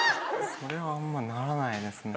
それはあんまならないですね。